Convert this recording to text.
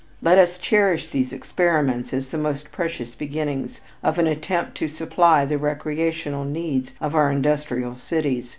Let us cherish these experiments as the most precious beginnings of an attempt to supply the recreational needs of our industrial cities.